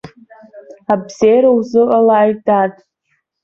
Абзиара узыҟалааит, дад.